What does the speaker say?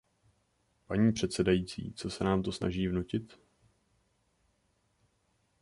Paní předsedající, co se nám to snaží vnutit?